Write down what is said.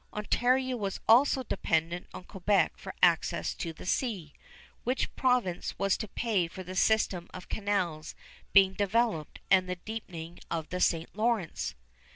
Ontario was also dependent on Quebec for access to the sea. Which province was to pay for the system of canals being developed, and the deepening of the St. Lawrence?